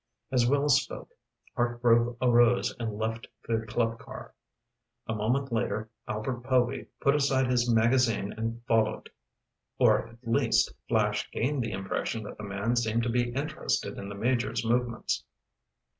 As Wells spoke, Hartgrove arose and left the club car. A moment later, Albert Povy put aside his magazine and followed. Or at least, Flash gained the impression that the man seemed to be interested in the Major's movements.